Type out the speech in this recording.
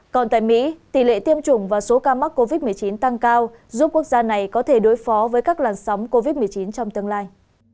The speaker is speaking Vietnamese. còn tại mỹ tỷ lệ tiêm chủng và số ca mắc covid một mươi chín tăng cao giúp quốc gia này có thể đối phó với các làn sóng covid một mươi chín trong tương lai